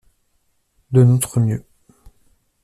De notre mieux